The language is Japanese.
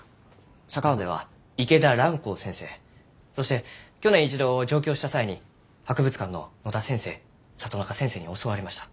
佐川では池田蘭光先生そして去年一度上京した際に博物館の野田先生里中先生に教わりました。